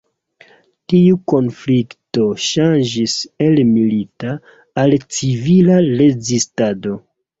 Tiu konflikto ŝanĝis el milita al civila rezistado.